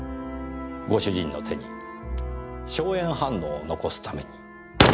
ご主人の手に硝煙反応を残すために。